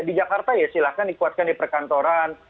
di jakarta ya silahkan dikuatkan di perkantoran